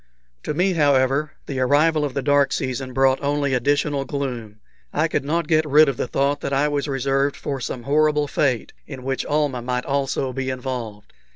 To me, however, the arrival of the dark season brought only additional gloom. I could not get rid of the thought that I was reserved for some horrible fate, in which Almah might also be involved.